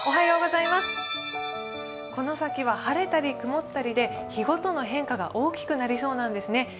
この先は晴れたり曇ったりで日ごとの変化が大きくなりそうなんですね。